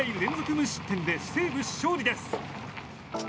無失点で西武、勝利です。